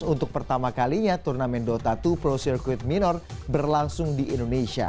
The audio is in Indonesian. untuk pertama kalinya turnamen dota dua pro circuit minor berlangsung di indonesia